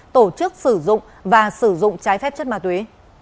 tổ chức sử dụng và sử dụng trái phép chất ma túy